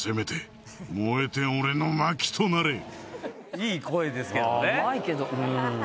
いい声ですけどね。